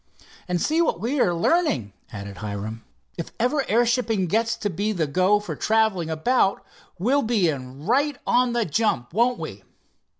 "And see what we are learning," added Hiram. "If ever airshipping gets to be the go for traveling about, we'll be in right on the jump, won't we?"